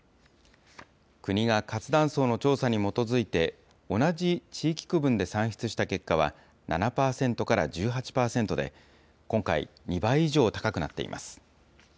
国が活断層の調査に基づいて、同じ地域区分で算出した結果は７％から１８％で、今回、２倍以上高くなっています。